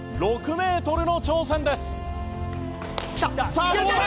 さあどうだ？